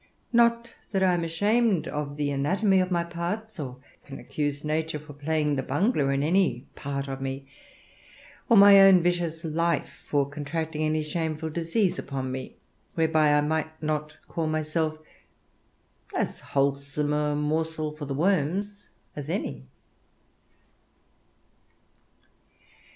Not that I am ashamed of the anatomy of my parts, or can accuse nature for playing the bungler in any part of me, or my own vicious life for contracting any shameful disease upon me, whereby I might not call myself as wholesome a morsel for the worms as any.